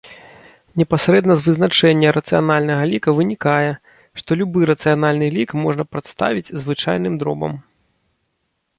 Непасрэдна з вызначэння рацыянальнага ліка вынікае, што любы рацыянальны лік можна прадставіць звычайным дробам.